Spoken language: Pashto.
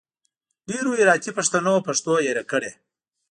ډېرو هراتي پښتنو پښتو هېره کړي